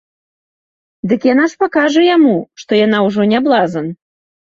Дык яна ж пакажа яму, што яна ўжо не блазан.